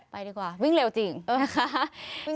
ดีกว่าวิ่งเร็วจริงนะคะ